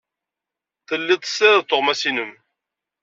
Telliḍ tessirideḍ tuɣmas-nnem.